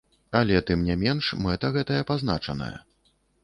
Але тым не менш мэта гэтая пазначаная.